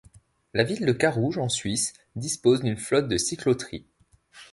La ville de Carouge en Suisse dispose d'une flotte de cyclotri.